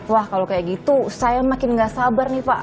wah kalau kayak gitu saya makin nggak sabar nih pak